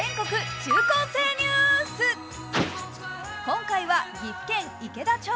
今回は岐阜県池田町。